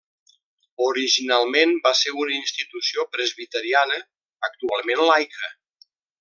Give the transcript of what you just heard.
Originalment va ser una institució presbiteriana, actualment laica.